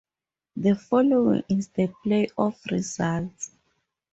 The following is the playoff results.